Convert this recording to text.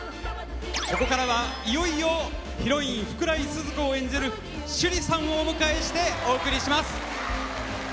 ここからはいよいよヒロイン・福来スズ子を演じる趣里さんをお迎えしてお送りします！